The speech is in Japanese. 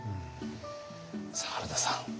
さあ原田さん。